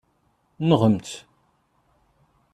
Nɣemt!